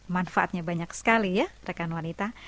manfaatnya banyak sekali ya rekan wanita